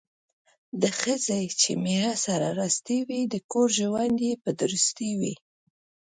د ښځې چې میړه سره راستي وي، د کور ژوند یې په درستي وي.